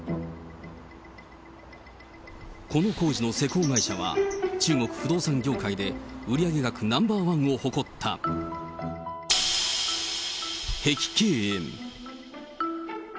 この工事の施工会社は、中国不動産業界で売り上げ額ナンバー１を誇った碧桂園。